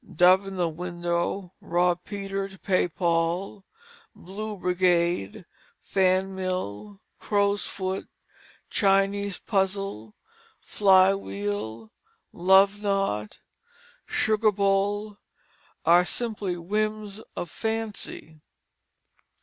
"Dove in the Window," "Rob Peter to Pay Paul," "Blue Brigade," "Fan mill," "Crow's Foot," "Chinese Puzzle," "Fly wheel," "Love knot," "Sugar bowl," are simply whims of fancy.